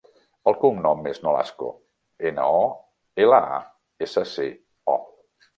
El cognom és Nolasco: ena, o, ela, a, essa, ce, o.